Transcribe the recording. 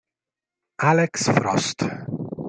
Alex Frost